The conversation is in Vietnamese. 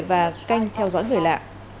và canh theo dõi người lạ